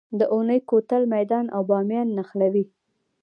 د اونی کوتل میدان او بامیان نښلوي